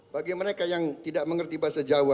bagi mereka yang tidak mengerti bahasa jawa